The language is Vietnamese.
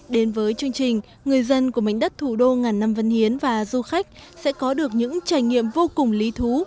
đến với chương trình người dân của mảnh đất thủ đô ngàn năm văn hiến và du khách sẽ có được những trải nghiệm vô cùng lý thú